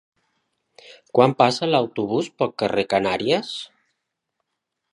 Quan passa l'autobús pel carrer Canàries?